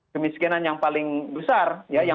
kemiskinan yang paling besar